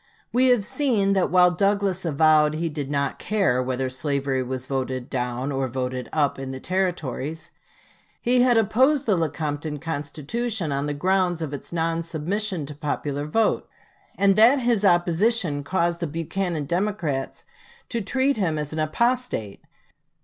We have seen that while Douglas avowed he did not care "whether slavery was voted down or voted up" in the Territories, he had opposed the Lecompton Constitution on the ground of its non submission to popular vote, and that this opposition caused the Buchanan Democrats to treat him as an apostate.